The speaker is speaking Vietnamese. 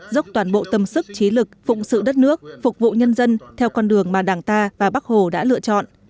dốc toàn bộ tâm sức trí lực phụng sự đất nước phục vụ nhân dân theo con đường mà đảng ta và bắc hồ đã lựa chọn